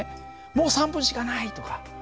「もう３分しかない！」とか。